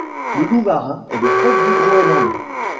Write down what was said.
Le loup marin est le phoque du Groendland